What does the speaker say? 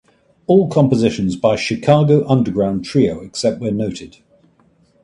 All compositions by Chicago Underground Trio except where noted